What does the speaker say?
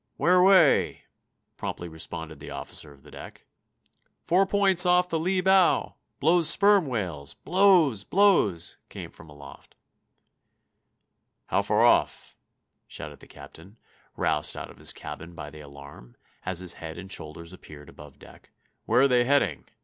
"Where away?" promptly responded the officer of the deck. "Four points off the lee bow! Blows sperm whales! Blows! Blows!" came from aloft. "How far off?" shouted the captain, roused out of his cabin by the alarm, as his head and shoulders appeared above deck. "Where are they heading?"